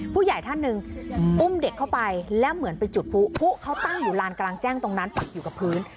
ผู้ใหญ่ท่านหนึ่งอุ้มเด็กเข้าไปแล้วเหมือนไปจุดผู้เขาตั้งอยู่ลานกลางแจ้งตรงนั้นปักอยู่กับพื้น